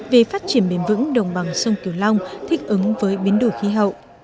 về phát triển bền vững đồng bằng sông kiều long thích ứng với biến đổi khí hậu